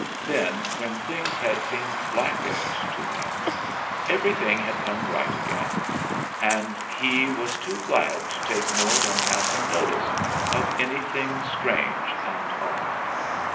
Then, when things had seemed blackest to him, everything had come right again; and he was too glad to take more than passing notice of anything strange and odd.